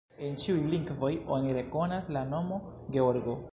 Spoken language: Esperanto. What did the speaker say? En ĉiuj lingvoj oni rekonas la nomo: Georgo.